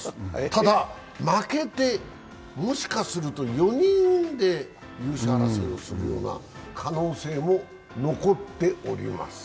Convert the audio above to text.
ただ、負けてもしかすると４人で優勝争いするような可能性も残っております。